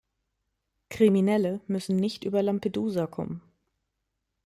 Kriminelle müssen nicht über Lampedusa kommen.